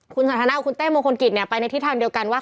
คุณสันทนากับคุณเต้มงคลกิจไปในทิศทางเดียวกันว่า